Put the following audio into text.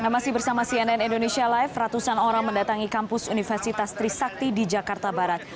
masih bersama cnn indonesia live ratusan orang mendatangi kampus universitas trisakti di jakarta barat